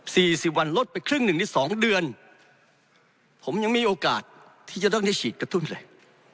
สี่สิบวันลดไปครึ่งหนึ่งในสองเดือนผมยังมีโอกาสที่จะต้องได้ฉีดกระตุ้นเลย